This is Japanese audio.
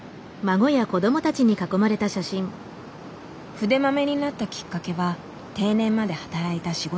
筆マメになったきっかけは定年まで働いた仕事にあるらしい。